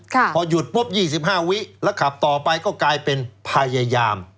ค่ะพอหยุดปุ๊บยี่สิบห้าวินาทีแล้วขับต่อไปก็กลายเป็นพยายาม